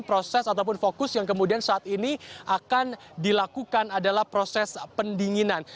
proses ataupun fokus yang kemudian saat ini akan dilakukan adalah proses pendinginan